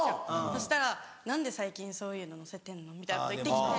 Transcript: そしたら「何で最近そういうの載せてんの」みたいなこと言って来て。